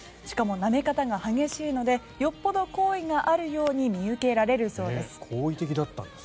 しかも、なめ方が激しいのでよっぽど好意があるように見受けられるそうです。